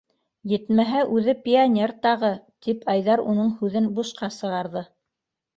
Етмәһә, үҙе пионер тағы, - тип Айҙар уның һүҙен бушҡа сығарҙы.